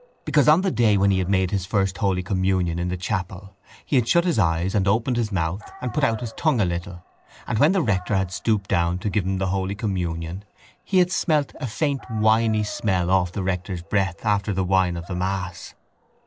Because on the day when he had made his first holy communion in the chapel he had shut his eyes and opened his mouth and put out his tongue a little: and when the rector had stooped down to give him the holy communion he had smelt a faint winy smell off the rector's breath after the wine of the mass.